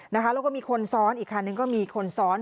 แล้วก็มีคนซ้อนอีกคันนึงก็มีคนซ้อน